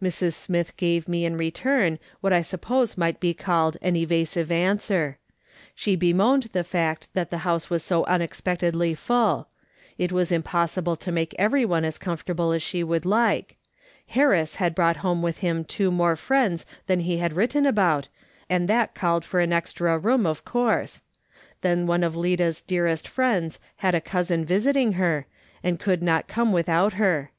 ]\Irs. Smith gave me in return what I suppose might be called an evasive answer. She bemoaned the fact that the house was so unexpectedly full ; it was impossible to make everyone as comfortable as she would like ; Harris had brought home with him two more friends than he had written about, and that called for an extra room, of course ; then one of Lida's dearest friends had a cousin visiting her, and could not come without her.